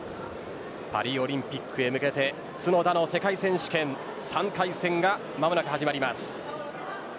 パリオリンピックへ向けて角田の世界選手権３回戦が間もなく始まります。